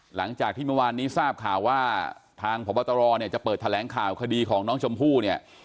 หลังจากที่เมื่อวานนี้ทราบข่าวว่าทางพบตรเนี่ยจะเปิดแถลงข่าวคดีของน้องชมพู่เนี่ย